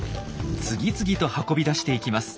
次々と運び出していきます。